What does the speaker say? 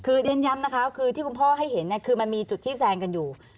คือเรียนย้ำนะคะคือที่คุณพ่อให้เห็นคือมันมีจุดที่แซงกันอยู่